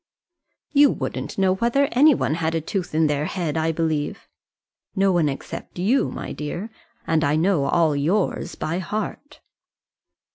"You wouldn't know whether any one had a tooth in their head, I believe." "No one except you, my dear; and I know all yours by heart."